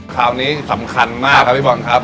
คราวนี้สำคัญมากครับพี่บอลครับ